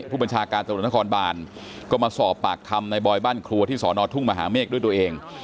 ผู้บัญชาการตำรวจนครบานก็มาสอบปากคำในบอยบ้านครัวที่สอนอทุ่งมหาเมฆด้วยตัวเอง